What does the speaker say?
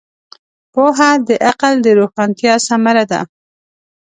پوهه د عقل د روښانتیا ثمره ده.